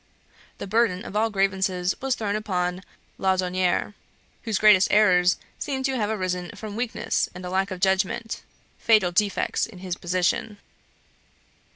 The burden of all grievances was thrown upon Laudonniere, whose greatest errors seem to have arisen from weakness and a lack of judgment, fatal defects in his position.